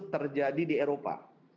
terjadi di eropa